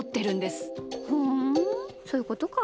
ふんそういうことか。